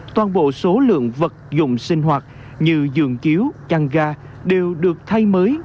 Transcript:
toàn bộ số lượng vật dùng sinh hoạt như dường chiếu chăn ga đều được thay mới